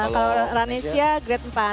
kalau raneshia grade empat